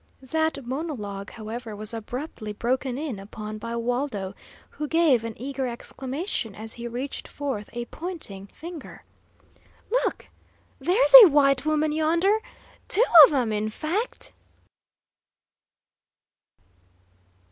That monologue, however, was abruptly broken in upon by Waldo, who gave an eager exclamation, as he reached forth a pointing finger: "Look! There's a white woman yonder, two of 'em, in fact!"